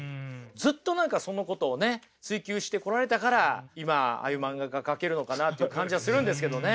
ずっと何かそのことをね追求してこられたから今ああいう漫画が描けるのかなっていう感じはするんですけどね。